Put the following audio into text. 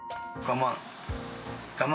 我慢。